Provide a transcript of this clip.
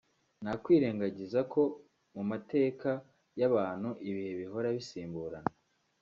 nta kwirengagiza ko mu mateka y’abantu ibihe bihora bisimburana